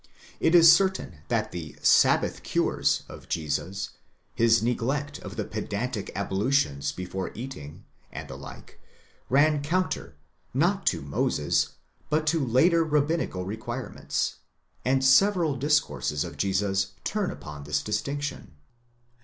It is certain that the sabbath cures of Jesus, his neglect of the pedantic ablutions before eating, and the like, ran counter, not to Moses, but to later rabbinical requirements, and several discourses of Jesus turn upon this distinction.